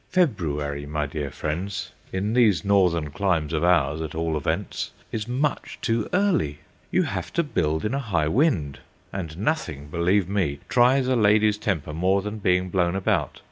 February, my dear friends—in these northern climes of ours at all events—is much too early. You have to build in a high wind, and nothing, believe me, tries a lady's temper more than being blown about.